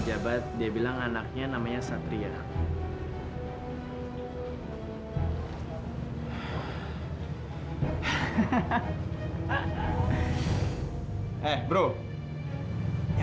jangan ganggu cewek saya ya